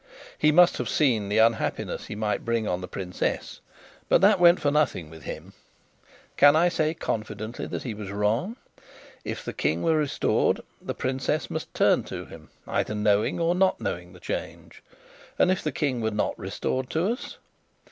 He must have seen the unhappiness he might bring on the princess; but that went for nothing with him. Can I say, confidently, that he was wrong? If the King were restored, the princess must turn to him, either knowing or not knowing the change. And if the King were not restored to us?